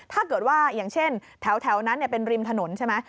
ถ้าเกิดว่าอย่างเช่นแถวนั้นเป็นริมถนนใช่ไหม